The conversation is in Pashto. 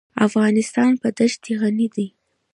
افغانستان په دښتې غني دی.